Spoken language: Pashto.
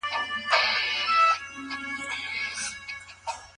نړۍ لوی بدلون دی.